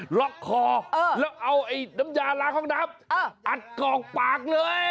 ล็อกคอแล้วเอาไอ้น้ำยาล้างห้องน้ำอัดกรอกปากเลย